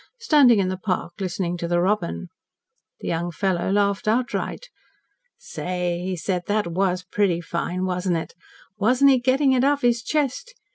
"Standing in the park listening to the robin." The young fellow laughed outright. "Say," he said, "that was pretty fine, wasn't it? Wasn't he getting it off his chest!